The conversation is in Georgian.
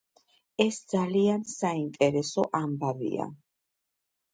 ეს ძალიან საინტერესო ამბავია.